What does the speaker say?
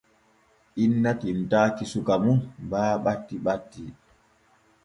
Inna tinntaaki suka mum baa ɓatti ɓatti.